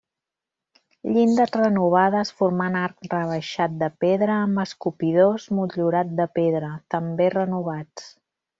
Llindes renovades formant arc rebaixat de pedra amb escopidors motllurat de pedra, també renovats.